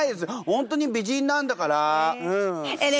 本当に美人なんだから。